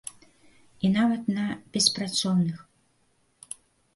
І нават на беспрацоўных.